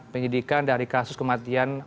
penyidikan dari kasus kematian